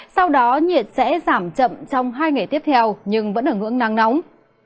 sau đó nhiệt sẽ giảm chậm trong hai ngày tiếp theo nhưng vẫn ở ngưỡng nắng nóng